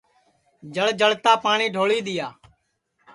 جݪ جݪتا پاٹؔی ڈھولی دؔیا